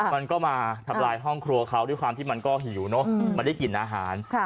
มันก็มาทำลายห้องครัวเขาด้วยความที่มันก็หิวเนอะมันได้กลิ่นอาหาร